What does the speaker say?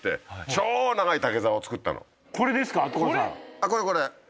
あっこれこれ。